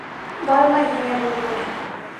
Бармай һиңә был роль.